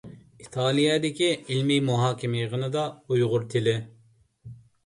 ئىتالىيەدىكى ئىلمىي مۇھاكىمە يىغىنىدا ئۇيغۇر تىلى.